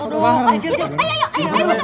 foto bareng bareng